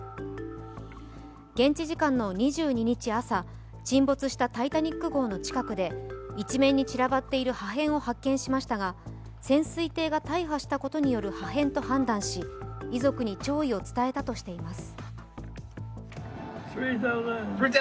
現地時間の２２日朝、沈没した「タイタニック」号の近くで一面に散らばっている破片を発見しましたが潜水艇が大破したことによる破片と判断し、遺族に弔意を伝えたとしています。